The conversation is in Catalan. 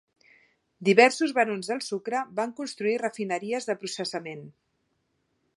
Diversos barons del sucre van construir refineries de processament.